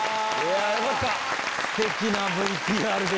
よかった！